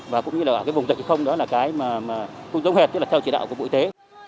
và cũng như là cái vùng dịch không đó là cái mà cũng tống hệt tức là theo chỉ đạo của bộ y tế